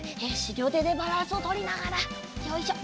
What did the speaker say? りょうてでバランスをとりながらよいしょ。